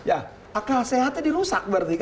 akal sehatnya dirusak